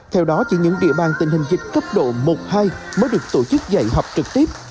theo đó chỉ những địa bàn tình hình dịch cấp độ một hai mới được tổ chức dạy học trực tiếp